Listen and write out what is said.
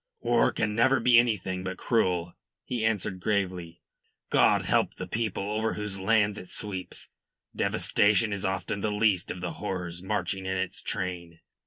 "War can never be anything but cruel," he answered gravely. "God help the people over whose lands it sweeps. Devastation is often the least of the horrors marching in its train."